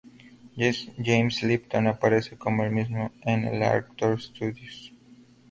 James Lipton aparece como el mismo en el Actors Studio.